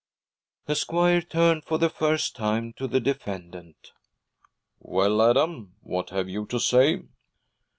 The squire turned for the first time to the defendant. 'Well, Adam, what have you to say?'